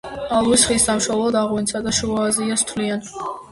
ალვის ხის სამშობლოდ ავღანეთსა და შუა აზიას თვლიან.